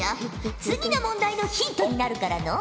次の問題のヒントになるからのう。